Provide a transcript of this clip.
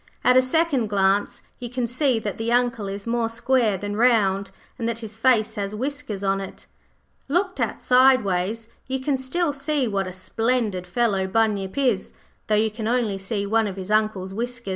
At a second glance you can see that the Uncle is more square than round, and that his face has whiskers on it. Looked at sideways you can still see what a splendid fellow Bunyip is, though you can only see one of his Uncle's whiskers.